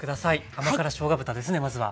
甘辛しょうが豚ですねまずは。